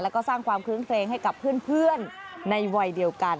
แล้วก็สร้างความคลื้นเครงให้กับเพื่อนในวัยเดียวกัน